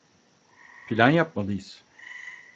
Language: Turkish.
Plan yapmalıyız.